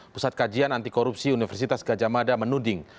pusat kajian antikorupsi universitas gajah mada menuding